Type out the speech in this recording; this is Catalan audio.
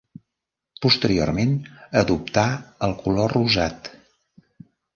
Posteriorment adoptà el color rosat.